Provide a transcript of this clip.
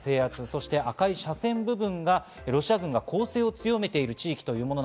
そして赤い斜線部分がロシア軍が攻勢を強めている地域です。